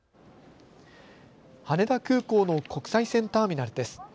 羽田空港の国際線ターミナルです。